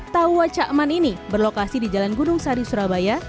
tawa cakman ini berlokasi di jalan gunung sari surabaya